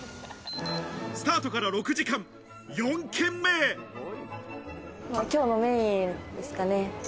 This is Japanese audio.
スタートから６時間、４軒目今日のメインですかね。